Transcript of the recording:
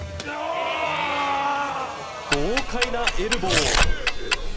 豪快なエルボー。